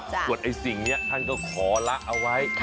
ส่วนไอ้สิ่งนี้ท่านก็ขอละเอาไว้